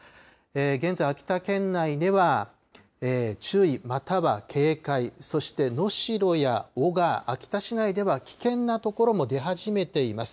現在、秋田県内では、注意、または警戒、そして能代や男鹿、秋田市内では、危険な所も出始めています。